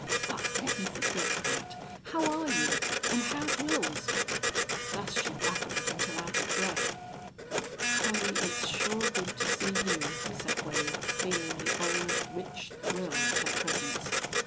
But let me forget that.... How are you? And how's Wils?" Thus she babbled until out of breath. "Collie, it's sure good to see you," said Wade, feeling the old, rich thrill at her presence.